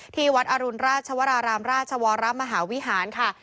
ที่วัดอรุณราชวรารามราชวรมหาวิหารค่ะ